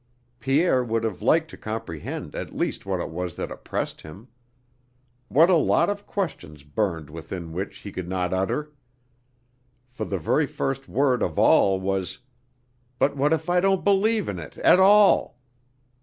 Pierre would have liked to comprehend at least what it was that oppressed him. What a lot of questions burned within which he could not utter! For the very first word of all was, "But what if I don't believe in it at all!"